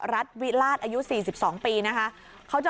รัฐวิราชอายุ๔๒ปีนะคะ